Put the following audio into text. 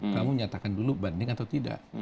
kamu nyatakan dulu banding atau tidak